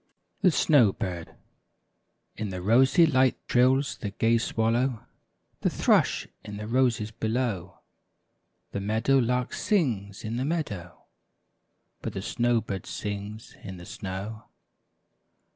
THE SNOW BIRD. TN the rosy light trills the gay swallow, ^ The thrush, in the roses below; The meadow lark sings in the meadow. But the snow bird sings in the snow.